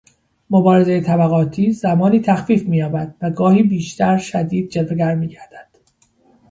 مبارزهٔ طبقاتی زمانی تخفیف مییابد و گاهی بسیار شدید جلوه گر میگردد.